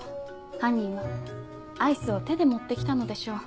犯人はアイスを手で持って来たのでしょう。